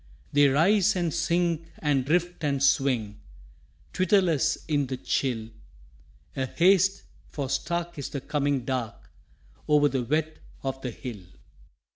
They rise and sink and drift and swing, Twitterless in the chill; A haste, for stark is the coming dark Over the wet of the hill.